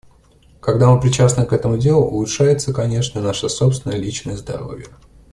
Когда мы причастны к этому делу, улучшается, конечно, и наше собственное, личное здоровье.